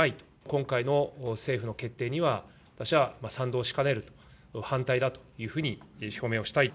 今回の政府の決定には、私は賛同しかねると、反対だというふうに表明をしたい。